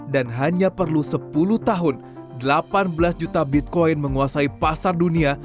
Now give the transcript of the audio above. dan hanya perlu sepuluh tahun delapan belas juta bitcoin menguasai pasar dunia